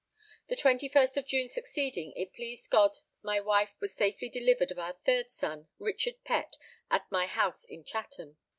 The 21st of June succeeding it pleased God my wife was safely delivered of our third son Richard Pett at my house in Chatham.